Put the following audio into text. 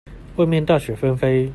外面大雪紛飛